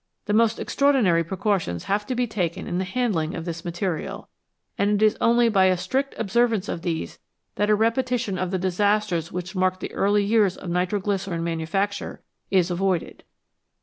The most extraordinary precautions have to be taken in the handling of this material, and it is only by a strict observance of these that a repetition of the disasters which marked the early years of nitro glycerine manufacture is avoided.